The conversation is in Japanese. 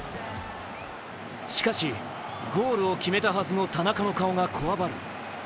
しかし、ゴールを決めたはずの田中の顔が強張る。